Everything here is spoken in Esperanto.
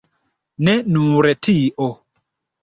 Ne nur tio.